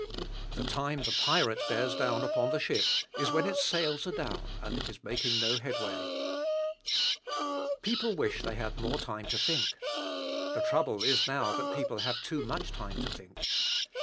The time the pirate bears down upon the ship is when its sails are down and it is making no headway. People wish they had more time to think. The trouble is now, that people have too much time to think.